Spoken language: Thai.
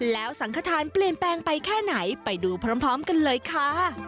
แล้วสังขทานเปลี่ยนแปลงไปแค่ไหนไปดูพร้อมกันเลยค่ะ